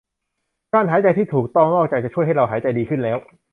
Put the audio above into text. การหายใจที่ถูกต้องนอกจากจะช่วยให้เราหายใจดีขึ้นแล้ว